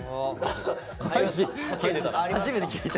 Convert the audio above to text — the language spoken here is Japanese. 初めて聞いた。